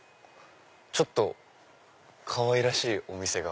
ちょっとかわいらしいお店が。